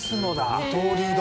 二刀流だ。